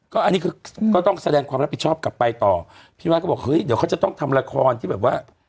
อันนี้คือก็ต้องแสดงความรับผิดชอบกลับไปต่อพี่วัดก็บอกเฮ้ยเดี๋ยวเขาจะต้องทำละครที่แบบว่า